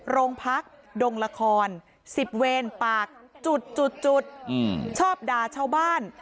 โรงพักดงละคร๑๐เวรปากจุดชอบด่าชาวบ้าน